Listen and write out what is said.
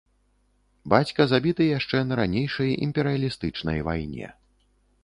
Бацька забіты яшчэ на ранейшай, імперыялістычнай, вайне.